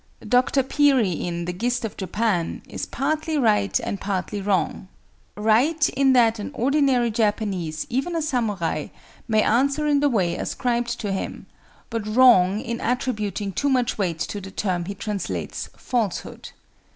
Dr. Peery is partly right and partly wrong; right in that an ordinary Japanese, even a samurai, may answer in the way ascribed to him, but wrong in attributing too much weight to the term he translates "falsehood."